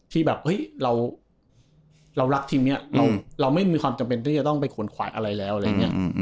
ที่แบบเฮ้ยเรารักทีมนี้เราไม่มีความจำเป็นที่จะต้องไปขนขวายอะไรแล้วอะไรอย่างนี้